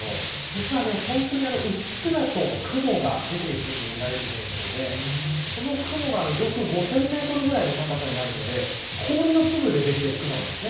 実はうっすらと雲が出ているときに見られる現象でこの雲が上空５０００メートルぐらいの高さにあるので氷の粒でできている雲なんです。